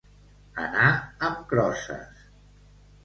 Anar amb crosses.